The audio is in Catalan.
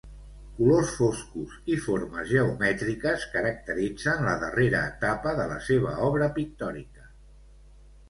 Colors foscos i formes geomètriques caracteritzen la darrera etapa de la seva obra pictòrica.